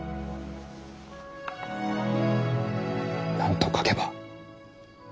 何と書けば。